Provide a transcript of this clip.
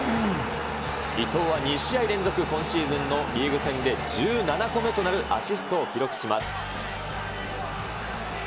伊東は２試合連続、今シーズンのリーグ戦で１７個目となるアシストを記録します。